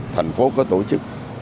thành phố có tổ chức